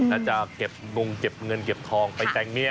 อาจจะเก็บงงเก็บเงินเก็บทองไปแต่งเมีย